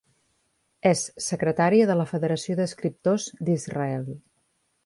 És secretària de la Federació d'Escriptors d'Israel.